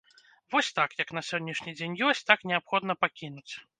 Вось так, як на сённяшні дзень ёсць, так неабходна пакінуць.